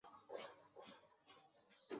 তিনি পালিয়ে যেতে সক্ষম হন।